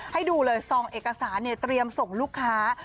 ที่ส่งเอกสารตรียมส่งลูกค้า